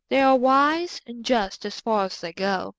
They are wise and just as far as they go.